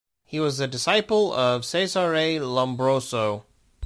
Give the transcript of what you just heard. He was a disciple of Cesare Lombroso.